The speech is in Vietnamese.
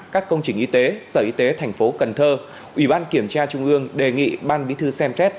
các công trình y tế sở y tế thành phố cần thơ ủy ban kiểm tra trung ương đề nghị ban bí thư xem xét